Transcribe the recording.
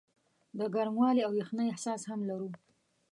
د ګرموالي او یخنۍ احساس هم لرو.